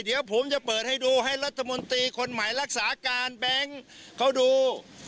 เดี๋ยวผมจะเปิดให้ดูให้รัฐมนตรีคนใหม่รักษาการแบงค์เขาดู